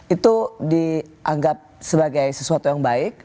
itu dianggap sebagai sesuatu yang baik